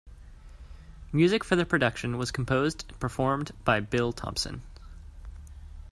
Music for the production was composed and performed by Bill Thompson.